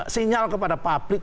sinyal kepada publik